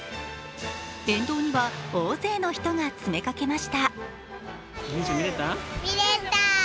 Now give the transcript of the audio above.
沿道には大勢の人が詰めかけました。